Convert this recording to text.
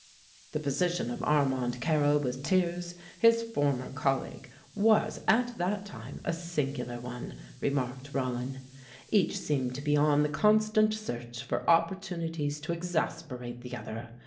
"The position of Armand Carrel with Thiers, his former colleague, was, at that time, a singular one," remarked Rollin. "Each seemed to be on the constant search for opportunities to exasperate the other.